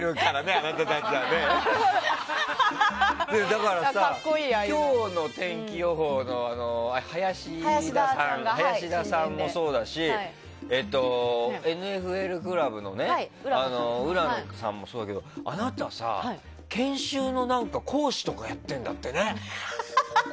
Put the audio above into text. だからさ、今日の天気予報の林田さんもそうだし「ＮＦＬ倶楽部」の浦野さんもそうだけどあなたさ、研修の講師とかやっているんだってね。